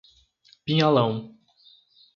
Pinhalão